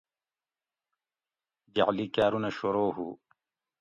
جعلی کاٞرونہ شورو ہُو